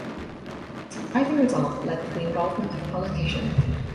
The surprising result led to the involvement of politicians.